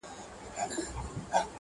او نه پوره کیدونکي وي